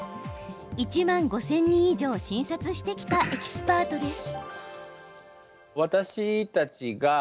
１万５０００人以上を診察してきたエキスパートです。